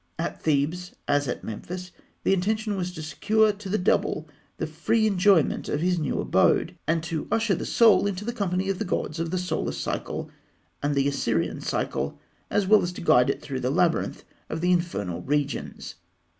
At Thebes as at Memphis, the intention was to secure to the Double the free enjoyment of his new abode, and to usher the Soul into the company of the gods of the solar cycle and the Osirian cycle, as well as to guide it through the labyrinth of the infernal regions.